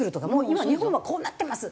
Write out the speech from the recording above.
「今日本はこうなってます」。